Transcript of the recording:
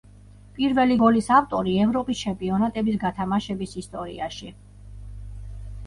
პირველი გოლის ავტორი ევროპის ჩემპიონატების გათამაშების ისტორიაში.